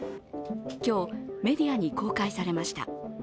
今日、メディアに公開されました。